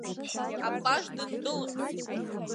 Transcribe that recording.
Апаж дындәылҟьоит.